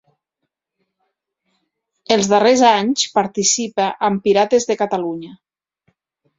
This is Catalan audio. Els darrers anys participa amb Pirates de Catalunya.